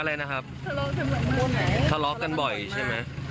อะไรนะครับทะเลาะกันบ่อยใช่ไหม